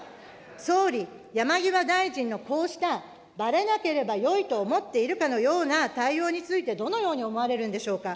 総理、山際大臣のこうした、ばれなければよいと思っているかのような対応についてどのように思われるんでしょうか。